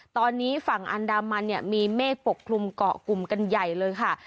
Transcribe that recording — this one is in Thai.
ตอนนี้ฝั่งอันดามันเนี่ยมีเมฆปกคลุมเกาะกลุ่มกันใหญ่เลยค่ะ